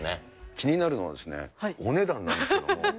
気になるのは、お値段なんですけども。